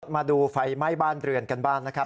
มาดูไฟไหม้บ้านเรือนกันบ้างนะครับ